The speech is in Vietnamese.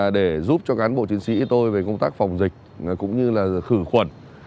để giúp cho cán bộ chiến sĩ tôi về công tác phòng dịch cũng như là khử khuẩn